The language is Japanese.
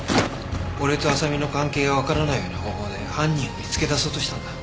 俺と麻未の関係がわからないような方法で犯人を見つけ出そうとしたんだ。